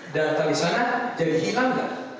data di sana jadi hilang